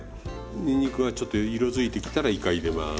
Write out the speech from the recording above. にんにくがちょっと色づいてきたらいか入れます。